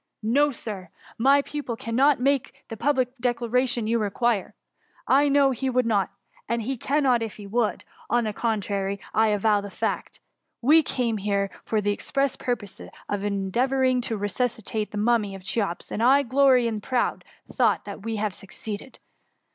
No, Sir ! Tny pupil cannot make the public declaration you require, I know he would not — and he cannot if he would ;— on the contrary, I avow the fact. We came here for the express purpose of endeavouring to resuscitate the mummy of Cl^eops, and I jglory in the proud thought thR we have succeeded.